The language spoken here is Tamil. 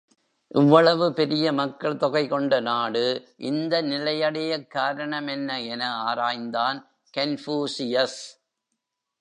இவ்வளவு பெரிய மக்கள் தொகை கொண்ட நாடு இந்த நிலையடையக் காரணமென்ன என ஆராய்ந்தான் கன்பூஷியஸ்.